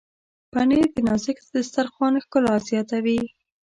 پنېر د نازک دسترخوان ښکلا زیاتوي.